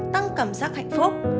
tăng cảm giác hạnh phúc